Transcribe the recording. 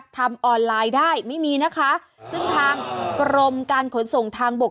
ทำออนไลน์ได้ไม่มีนะคะซึ่งทางกรมการขนส่งทางบก